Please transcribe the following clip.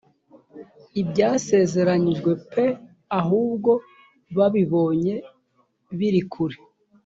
ibyasezeranyijwe p ahubwo babibonye biri kure